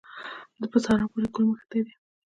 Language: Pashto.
په سارا پورې ګل مښتی دی.